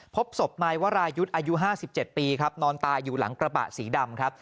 พบศพนายวรายุทธ์อายุ๕๗ปีครับนอนตายอยู่หลังกระบะสีดำครับ